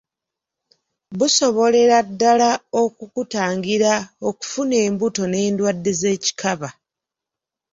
Busobolera ddala okukutangira okufuna embuto n’endwadde z’ekikaba.